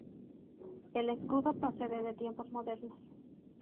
El escudo procede de tiempos modernos.